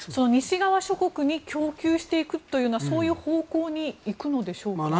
西側諸国に供給していくというそういう方向に行くのでしょうか。